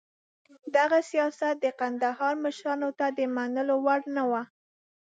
دغه سیاست د کندهار مشرانو ته د منلو وړ نه و.